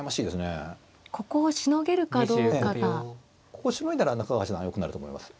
ここをしのいだら中川八段がよくなると思います。